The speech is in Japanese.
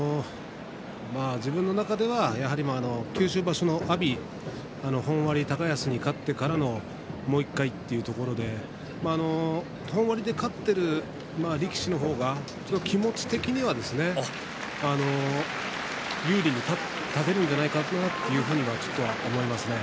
自分の中では九州場所の阿炎本割、高安に勝ってからのもう１回というところで本割で勝っている力士の方が気持ち的には有利に立てるんじゃないかなと思います。